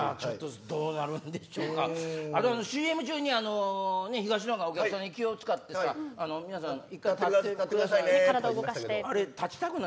ＣＭ中に東野がお客さんに気を使ってさ皆さん１回立ってくださいねと。